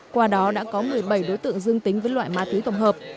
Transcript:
qua đó đã có một mươi bảy đối tượng dương tính với loại ma túy tổng hợp